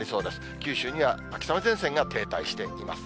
九州には秋雨前線が停滞しています。